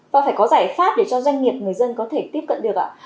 và phải có giải pháp để cho doanh nghiệp người dân có thể tiếp cận được ạ